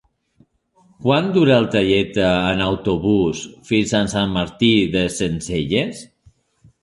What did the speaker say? Quant dura el trajecte en autobús fins a Sant Martí de Centelles?